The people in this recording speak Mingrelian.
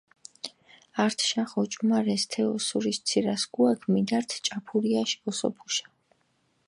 ართიშახჷ ოჭუმარესჷ თე ოსურიში ცირასქუაქჷ მიდართჷ ჭაფურიაში ოსოფუშა.